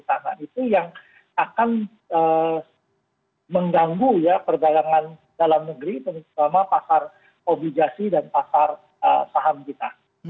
akan mengganggu perdagangan dalam negeri terutama pasar obligasi dan pasar saham kita